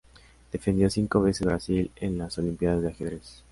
Defendió cinco veces Brasil en las Olimpiadas de Ajedrez.